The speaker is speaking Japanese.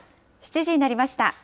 ７時になりました。